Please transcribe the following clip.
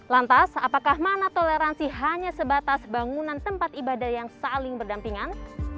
lantas apakah mana toleransi hanya sebatas bangunan tempat ibadah yang saling berdampingan